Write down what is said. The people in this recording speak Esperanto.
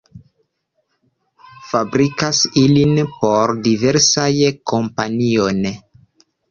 Fabrikas ilin por diversaj kompanioj.